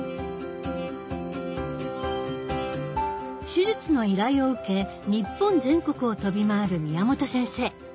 手術の依頼を受け日本全国を飛び回る宮本先生。